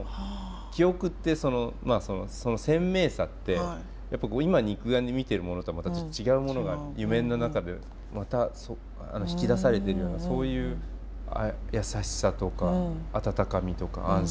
記憶ってその鮮明さって今肉眼で見てるものとはまた違うものが夢の中で引き出されてるようなそういう優しさとか温かみとか安心感とか愛情みたいなものが。